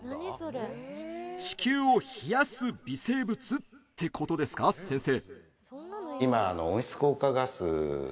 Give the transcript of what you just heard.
地球を冷やす微生物ってことですか、先生。